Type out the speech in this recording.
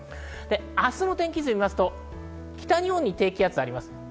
明日の天気図を見ますと、北日本に低気圧があります。